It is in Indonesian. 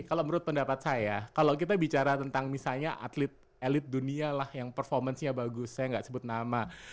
kalau menurut pendapat saya waktu kita bicara tentang misalnya atlet elektrik dunialah yang performennya bagus saya gak sebut nama